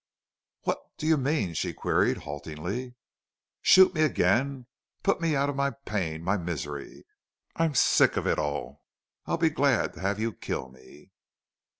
"What do you mean?" she queried, haltingly. "Shoot me again! Put me out of my pain my misery.... I'm sick of it all. I'd be glad to have you kill me!"